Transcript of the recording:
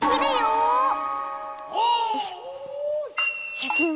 シャキーン！